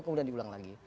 kemudian diulang lagi